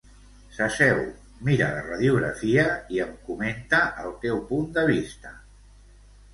S'asseu, mira la radiografia i em comenta el teu punt de vista.